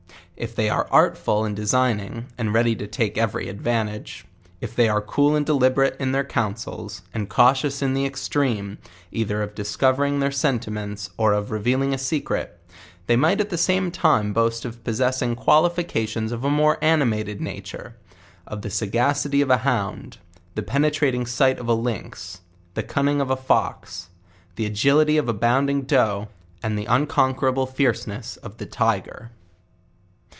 If they are artful and designing, ^nd ready to tak advautage, if they are cool and delibeate in their councils?, and cautious in the extreim, either of discovering thoir sen timents, or of revealing a secret, they might at the same time boast of possessing qualifications of a more animated nature, of the sagacity of hound, the penetrating sight of a lynx, the cunning of a f>x, the anility of a bounding doe, and the unconaurabla fierceness of tho tiger.